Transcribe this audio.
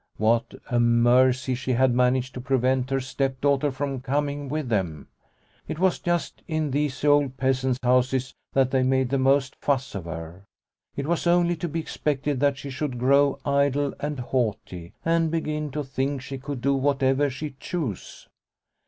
What a mercy she had managed to prevent her stepdaughter from coming with them ! It was The Bride's Dance 101 just in these old peasant houses that they made the most fuss of her. It was only to be expected that she should grow idle and haughty, and begin to think she could do whatever she chose.